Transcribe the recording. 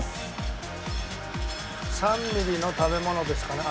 ３ミリの食べ物ですかね？